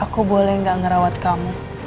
aku boleh gak ngerawat kamu